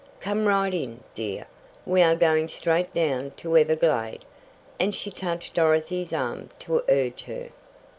"Come right in, dear. We are going straight down to Everglade," and she touched Dorothy's arm to urge her.